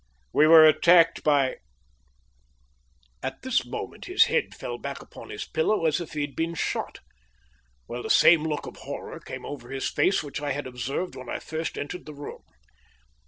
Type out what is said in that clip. "We were attacked by " At this moment he fell back upon his pillow as if he had been shot, while the same look of horror came over his face which I had observed when I first entered the room.